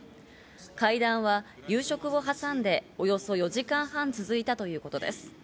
会談は夕食を挟んで、およそ４時間半続いたということです。